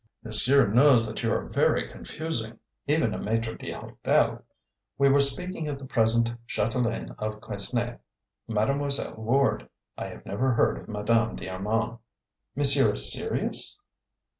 "Monsieur knows that you are very confusing even for a maitre d'hotel. We were speaking of the present chatelaine of Quesnay, Mademoiselle Ward. I have never heard of Madame d'Armand." "Monsieur is serious?"